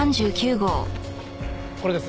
これです。